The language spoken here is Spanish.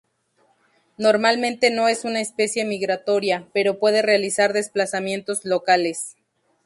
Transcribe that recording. Normalmente no es una especie migratoria, pero puede realizar desplazamientos locales.